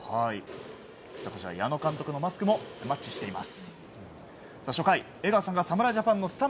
矢野監督のマスクもマッチしています。